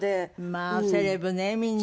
まあセレブねみんな。